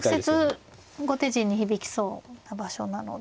直接後手陣に響きそうな場所なので。